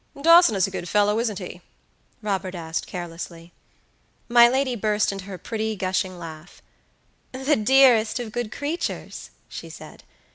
"Dawson is a good fellow, isn't he?" Robert asked, carelessly. My lady burst into her pretty, gushing laugh. "The dearest of good creatures," she said.